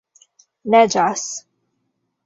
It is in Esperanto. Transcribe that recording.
Neĝas.